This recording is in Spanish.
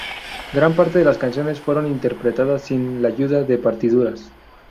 Gran parte de las canciones fueron interpretadas sin la ayuda de partituras.